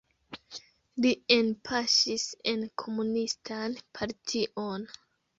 Li enpaŝis en komunistan partion.